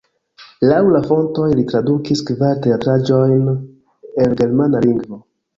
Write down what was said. Laŭ la fontoj li tradukis kvar teatraĵojn el germana lingvo.